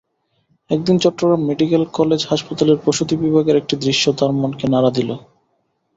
একদিন Chattogram medical college হাসপাতালের প্রসূতি বিভাগের একটি দৃশ্য তাঁর মনকে নাড়া দিল।